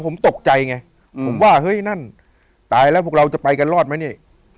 ผมตกใจไงผมว่าเฮ้ยนั่นตายแล้วพวกเราจะไปกันรอดไหมนี่